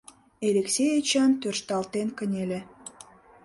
Элексей Эчан тӧршталтен кынеле.